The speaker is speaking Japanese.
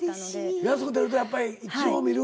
やす子出るとやっぱり一応見るんだ。